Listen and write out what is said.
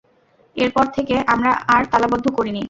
এর পর থেকে আমরা আর তালা বন্ধ করিনি।